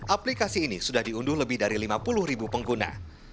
aplikasi ini sudah diunduh lebih dari lima puluh ribu pengguna